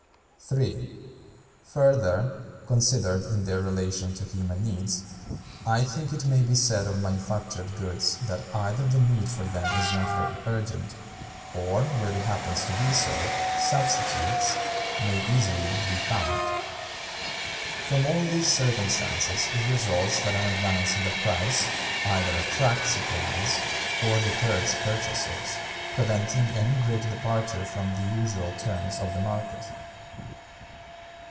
(3.) Further, considered in their relation to human needs, I think it may be said of manufactured goods, that either the need for them is not very urgent, or, where it happens to be so, substitutes ... may easily be found. From all these circumstances it results that an advance in the price ... either attracts supplies, or deters purchasers, ... preventing any great departure from the usual terms of the market.